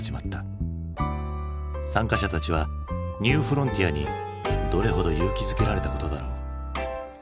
参加者たちはニューフロンティアにどれほど勇気づけられたことだろう。